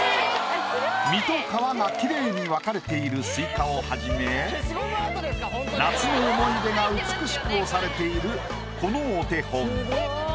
実と皮が綺麗に分かれているスイカをはじめ夏の思い出が美しく押されているこのお手本。